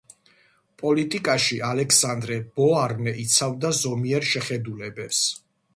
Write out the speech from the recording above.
პოლიტიკაში ალექსანდრე ბოარნე იცავდა ზომიერ შეხედულებებს.